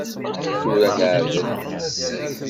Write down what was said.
Tura neɛdel.